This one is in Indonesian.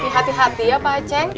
hati hati ya pak aceh